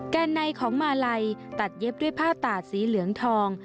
ด้านในของมาลัยตัดเย็บด้วยผ้าตาดสีเหลืองทอง